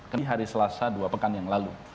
ini hari selasa dua pekan yang lalu